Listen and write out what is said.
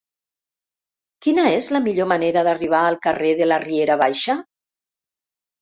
Quina és la millor manera d'arribar al carrer de la Riera Baixa?